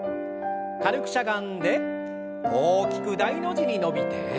軽くしゃがんで大きく大の字に伸びて。